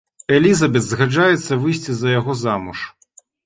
Элізабэт згаджаецца выйсці за яго замуж.